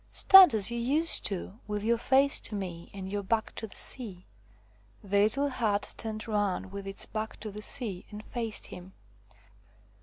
stand as you used to with your face to me and your back to the sea." The little hut turned round with its back to the sea and faced him.